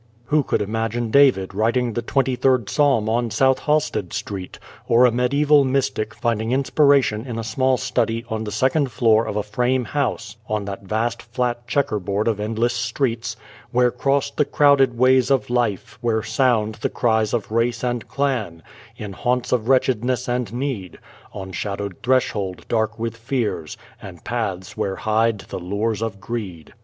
Who could imagine David writing the twenty third Psalm on South Halsted Street, or a medieval mystic finding inspiration in a small study on the second floor of a frame house on that vast, flat checker board of endless streets Where cross the crowded ways of life Where sound the cries of race and clan, In haunts of wretchedness and need, On shadowed threshold dark with fears, And paths where hide the lures of greed